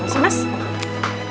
siapa sih mas